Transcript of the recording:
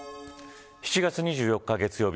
７月２４日月曜日